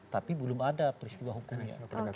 tapi belum ada peristiwa hukumnya